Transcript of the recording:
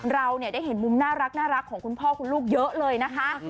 เราได้เห็นมุมน่ารักของคุณพ่อคุณลูกเยอะเลยนะคะ